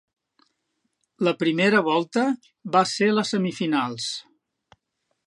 La primera volta va ser les semifinals.